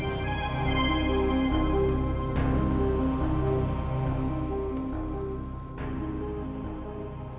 kita kesana sekarang